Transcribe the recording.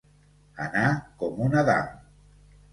Anar com un Adam.